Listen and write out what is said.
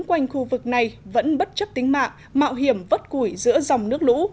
quanh khu vực này vẫn bất chấp tính mạng mạo hiểm vất củi giữa dòng nước lũ